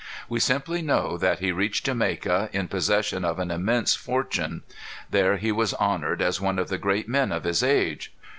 We simply know that he reached Jamaica in possession of an immense fortune. There he was honored as one of the great men of his age.